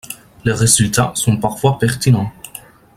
Les résultats sont parfois pertinents.